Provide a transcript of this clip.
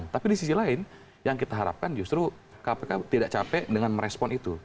tapi di sisi lain yang kita harapkan justru kpk tidak capek dengan merespon itu